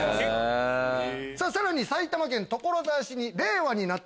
さらに埼玉県所沢市に。